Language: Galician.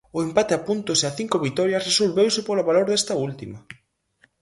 O empate a puntos e a cinco vitorias resolveuse polo valor desta última.